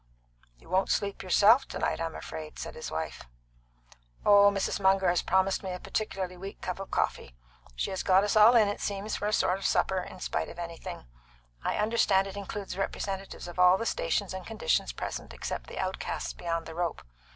"You won't sleep yourself to night, I'm afraid," said his wife. "Oh, Mrs. Munger has promised me a particularly weak cup of coffee. She has got us all in, it seems, for a sort of supper, in spite of everything. I understand it includes representatives of all the stations and conditions present except the outcasts beyond the rope.